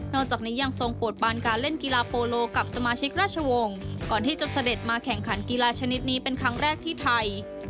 จากนี้ยังทรงปวดบานการเล่นกีฬาโปโลกับสมาชิกราชวงศ์ก่อนที่จะเสด็จมาแข่งขันกีฬาชนิดนี้เป็นครั้งแรกที่ไทย